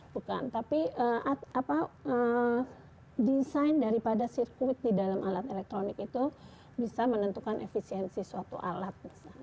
bukan tapi desain daripada sirkuit di dalam alat elektronik itu bisa menentukan efisiensi suatu alat